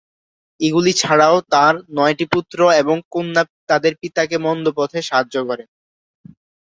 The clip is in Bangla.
এগুলি ছাড়াও তাঁর নয়টি পুত্র এবং কন্যা তাদের পিতাকে মন্দ পথে সাহায্য করে।